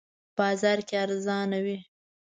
بازار کې ارزانه وی